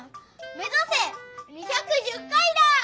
めざせ２１０回だ！